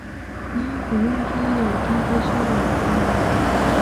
بیا ښوونکي یو تن ته اشاره وکړه.